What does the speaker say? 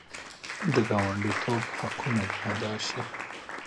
د ګاونډیتوب حقونه دې ادا شي.